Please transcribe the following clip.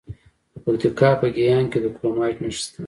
د پکتیکا په ګیان کې د کرومایټ نښې شته.